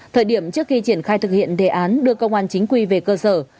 thời điểm trước khi triển khai thực hiện đề án đưa công an chính quy về cơ sở